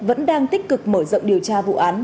vẫn đang tích cực mở rộng điều tra vụ án